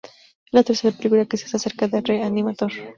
Es la tercera película que se hace acerca de re-animator.